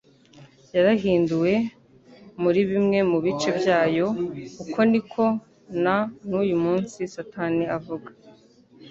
yarahinduwe muri bimwe mu bice byayo; uko niko na n'uyu munsi Satani avuga.